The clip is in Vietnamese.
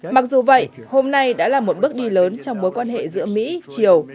mặc dù vậy hôm nay đã là một bước đi lớn trong mối quan hệ giữa mỹ triều